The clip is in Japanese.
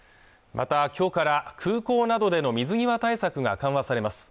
また今日から空港などでの水際対策が緩和されます